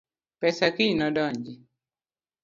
Pesa kiny nodonji